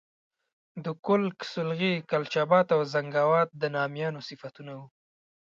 د کُلک، سولغی، کلچ آباد او زنګاوات د نامیانو صفتونه وو.